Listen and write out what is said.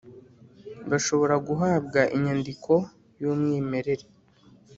bashobora guhabwa inyandiko y umwimerere